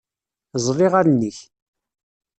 Ẓẓel iɣallen-ik.